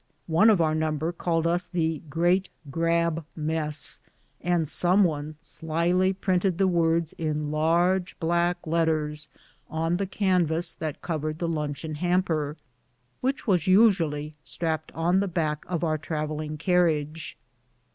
One of our number called us the " Great Grab Mess," and some one slyly printed the words in large black letters on the canvas that covered the luncheon hamper, which was usually strapped at the back of our travelling carriage.